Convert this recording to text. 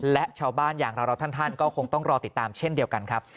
และชาวบ้านอย่างเราท่านก็คงต้องรอติดตามเช่นเดียวกันครับ